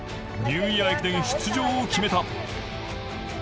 ニューイヤー駅伝出場を決めた。